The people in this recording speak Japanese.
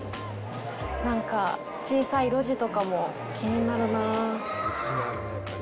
なんか、小さい路地とかも気になるなあ。